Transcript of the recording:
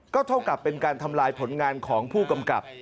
เท่ากับเป็นการทำลายผลงานของผู้กำกับ